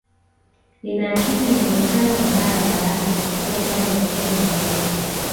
Linaakisi muonekano wa bara la Afrika katika upande wa kusini magharibi